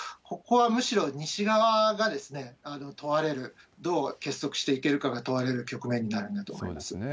ここはむしろ西側が問われる、どう結束していけるかが問われる局面になるんだと思います。